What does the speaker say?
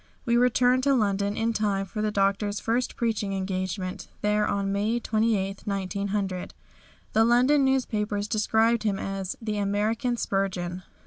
We returned to London in time for the Doctor's first preaching engagement there on May 28, 1900. The London newspapers described him as "The American Spurgeon."